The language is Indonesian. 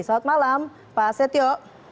selamat malam pak setio